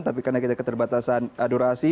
tapi karena kita keterbatasan durasi